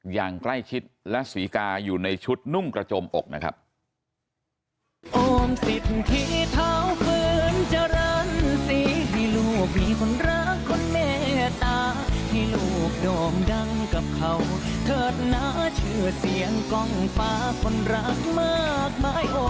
อย่างใกล้ชิดและศรีกาอยู่ในชุดนุ่งกระจมอกนะครับ